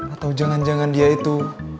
atau jangan jangan dia itu